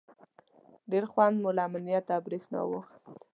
ډېر خوند مو له امنیت او برېښنا واخیست.